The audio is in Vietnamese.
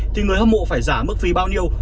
thì người hâm mộ phải giảm mức phí bao nhiêu